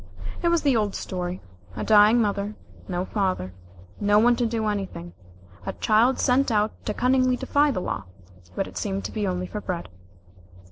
It was the old story a dying mother no father no one to do anything a child sent out to cunningly defy the law, but it seemed to be only for bread.